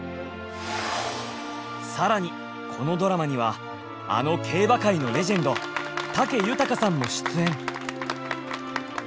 更にこのドラマにはあの競馬界のレジェンド武豊さんも出演！